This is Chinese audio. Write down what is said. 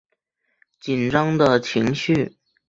紧张的情绪